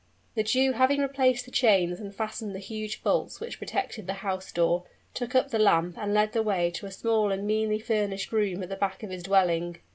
The Jew having replaced the chains and fastened the huge bolts which protected the house door, took up the lamp and led the way to a small and meanly furnished room at the back of his dwelling.